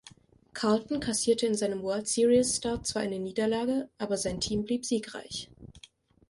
Carlton kassierte in seinem World-Series-Start zwar eine Niederlage, aber sein Team blieb siegreich.